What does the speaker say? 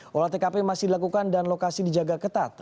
pola tkp masih dilakukan dan lokasi dijaga ketat